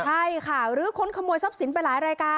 ใช่ค่ะหรือคนขโมยทรัพย์สินไปหลายรายการ